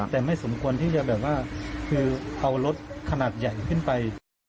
แต่ไม่สมควรที่จะเอารถขนาดใหญ่ขึ้นไป